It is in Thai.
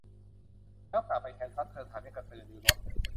แล้วกลับไปแคนซัส ? เธอถามอย่างกระตือรือร้น